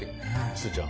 すーちゃん。